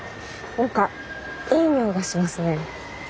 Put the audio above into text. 何かいい匂いがしますね。